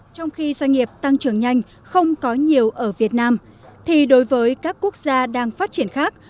trong khi doanh nghiệp tăng trưởng nhanh không có nhiều ở việt nam thì đối với các quốc gia đang phát triển khác